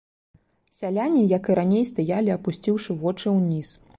Сяляне, як і раней, стаялі, апусціўшы вочы ўніз.